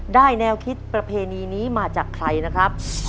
ได้แน่ใจไหมครับ